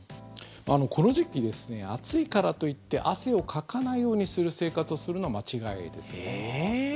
この時期暑いからといって汗をかかないようにする生活をするのは間違いです。